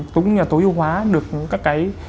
tối ưu hóa được các cái